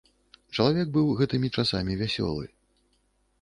Чалавек быў гэтымі часамі вясёлы.